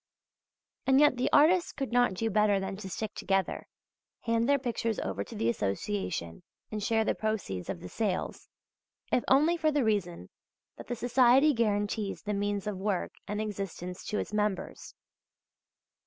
And yet the artists could not do better than to stick together, hand their pictures over to the association and share the proceeds of the sales, if only for the reason that the society guarantees the means of work and existence to its members.